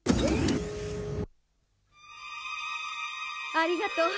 ありがとう。